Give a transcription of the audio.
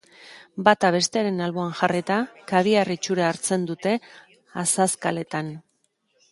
Bata bestearen alboan jarrita, kabiar itxura hartzen dute azazkaletan.